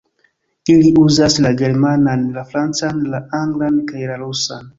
Ili uzas la germanan, la francan, la anglan kaj la rusan.